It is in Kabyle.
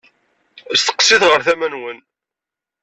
Steqsit ɣer tama-nwen.